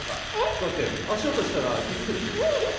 だって足音したら気づくでしょ無理です